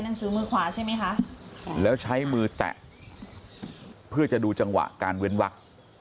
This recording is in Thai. หนังสือมือขวาใช่ไหมคะแล้วใช้มือแตะเพื่อจะดูจังหวะการเว้นวัก